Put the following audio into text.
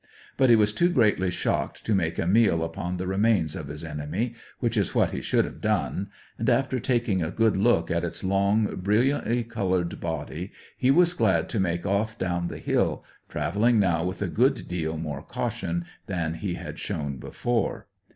But he was too greatly shocked to make a meal upon the remains of his enemy, which is what he should have done, and, after taking a good look at its long, brilliantly coloured body, he was glad to make off down the hill, travelling now with a good deal more caution than he had shown before.